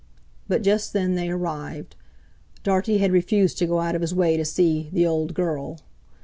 But just then they arrived. Dartie had refused to go out of his way to see "the old girl."